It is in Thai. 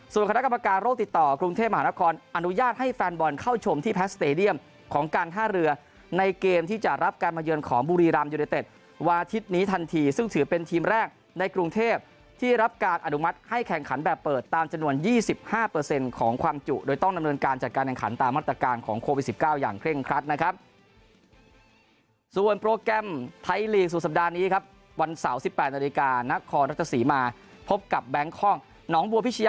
ส่วนคณะกรรมการโรคติดต่อกรุงเทพฯมหานครอนอนุญาตให้แฟนบอลเข้าชมที่แพทส์สเตดียมของการท่าเรือในเกมที่จะรับการมายืนของบุรีรามยุนเต็ดวาทิศนี้ทันทีซึ่งถือเป็นทีมแรกในกรุงเทพที่รับการอนุมัติให้แข่งขันแบบเปิดตามจำนวน๒๕ของความจุโดยต้องดำเนินการจัดการแห่งขันต